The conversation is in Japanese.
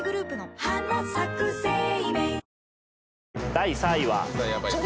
第３位は。